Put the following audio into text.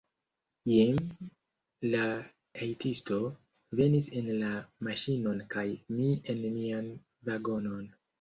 Jim, la hejtisto, venis en la maŝinon kaj mi en mian vagonon.